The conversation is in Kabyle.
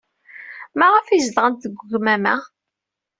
Maɣef ay zedɣent deg ugmam-a?